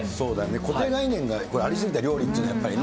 固定概念がありすぎたよね、料理っていうのは、やっぱりね。